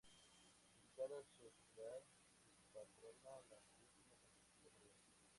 Dedicada a su titular y patrona, la Purísima Concepción de María".